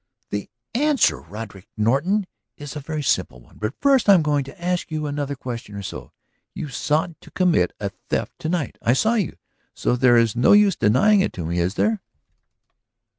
"The answer, Roderick Norton, is a very simple one. But first I am going to ask you another question or so. You sought to commit a theft to night, I saw you, so there is no use denying it to me, is there?"